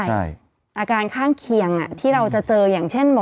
อาการข้างเคียงที่เราจะเจออย่างเช่นหมอ